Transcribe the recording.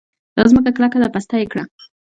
دا ځمکه کلکه ده؛ پسته يې کړه.